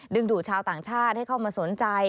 ดูชาวต่างชาติให้เข้ามาสนใจ